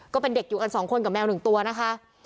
ก็เป็นเด็กอยู่กัน๒คนกับแมว๑ตัวนะคะ